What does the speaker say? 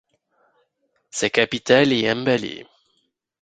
Sa capitale est Mbale.